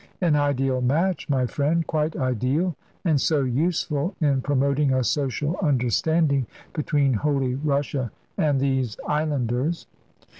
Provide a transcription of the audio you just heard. An ideal match, my friend; quite ideal, and so useful in promoting a social understanding between Holy Russia and these islanders."